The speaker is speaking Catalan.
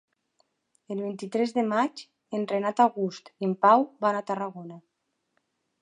El vint-i-tres de maig en Renat August i en Pau van a Tarragona.